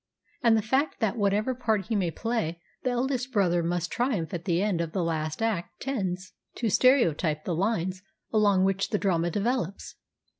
And the fact that whatever part he may play the eldest brother must triumph at the end of the last act tends 220 THE DAY BEFORE YESTERDAY to stereotype the lines along which the drama develops.